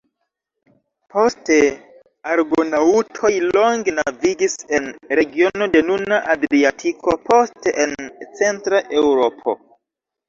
Poste Argonaŭtoj longe navigis en regiono de nuna Adriatiko, poste en centra Eŭropo.